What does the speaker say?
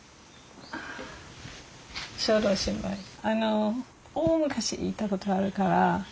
あの大昔行った事あるから。